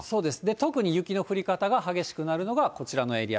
特に雪の降り方が激しくなるのがこちらのエリア。